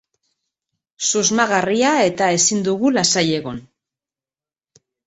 Susmagarria eta ezin dugu lasai egon.